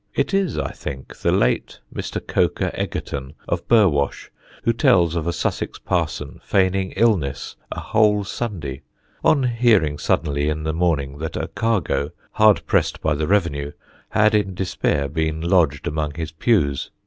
It is, I think, the late Mr. Coker Egerton, of Burwash, who tells of a Sussex parson feigning illness a whole Sunday on hearing suddenly in the morning that a cargo, hard pressed by the revenue, had in despair been lodged among his pews.